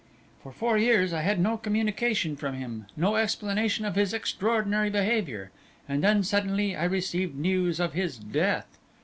For four years I had no communication from him, no explanation of his extraordinary behaviour, and then suddenly I received news of his death.